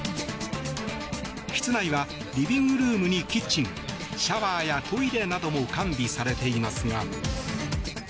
室内はリビングルームにキッチンシャワーや、トイレなども完備されていますが。